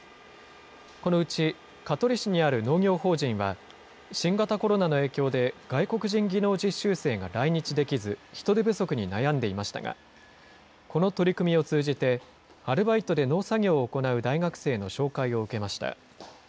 このうち、香取市にある農業法人は、新型コロナの影響で外国人技能実習生が来日できず、人手不足に悩んでいましたが、この取り組みを通じて、アルバイトで農作業を行う大学生の紹介を受けました。